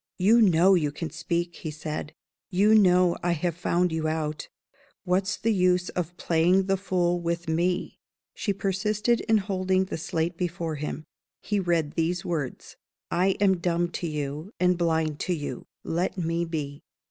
"You know you can speak," he said. "You know I have found you out. What's the use of playing the fool with me?" She persisted in holding the slate before him. He read these words: "I am dumb to you, and blind to you. Let me be."